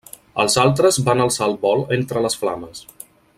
Els altres van alçar el vol entre les flames.